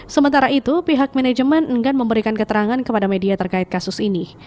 sementara itu pihak manajemen enggan memberikan keterangan kepada media terkait kasus ini